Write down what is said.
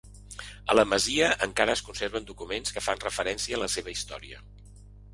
A la masia encara es conserven documents que fan referència a la seva història.